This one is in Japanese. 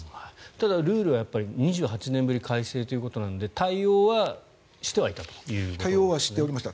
ただルールは２８年ぶり改正ということなので対応はしてはおりました。